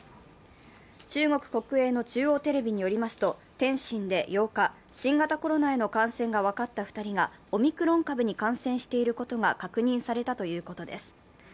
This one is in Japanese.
中国国営の中央テレビによりますと天津で８日、新型コロナへの感染が分かった２人がオミクロン株に感染していることが確認されたということです。